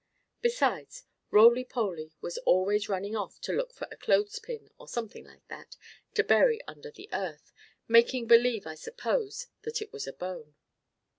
Besides, Roly Poly was always running off to look for a clothespin, or something like that, to bury under the earth, making believe, I suppose, that it was a bone.